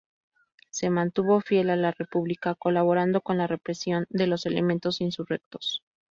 Se mantuvo fiel a la República, colaborando en la represión de los elementos insurrectos.